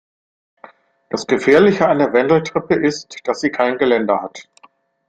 Das Gefährliche an der Wendeltreppe ist, dass sie kein Geländer hat.